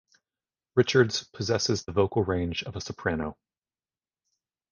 Richards possesses the vocal range of a soprano.